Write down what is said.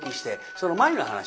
その前の話で。